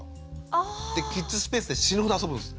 あ！でキッズスペースで死ぬほど遊ぶんです。